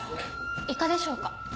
イカでしょうか？